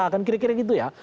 akan kira kira gitu ya